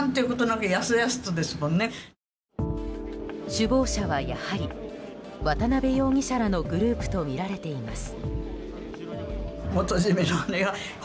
首謀者はやはり渡邉容疑者らのグループとみられています。